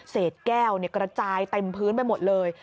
เศษแก้วกระจายเต็มพื้นไปหมดเลย